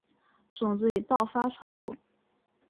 种子以爆发传播。